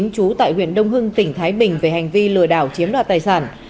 chú tải huyện đông hưng tỉnh thái bình về hành vi lừa đảo chiếm đoạt tài sản